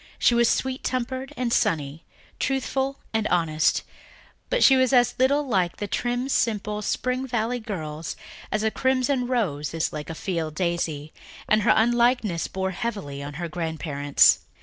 She was sweet tempered and sunny, truthful and modest, but she was as little like the trim, simple Spring Valley girls as a crimson rose is like a field daisy, and her unlikeness bore heavily on her grandparents.